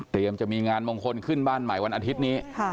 จะมีงานมงคลขึ้นบ้านใหม่วันอาทิตย์นี้